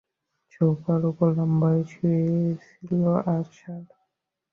সোফার উপর লম্বা হয়ে শুয়েছিল আশার।